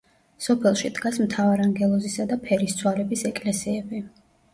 სოფელში დგას მთავარანგელოზისა და ფერისცვალების ეკლესიები.